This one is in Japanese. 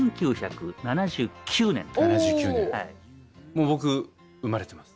もう僕生まれてます。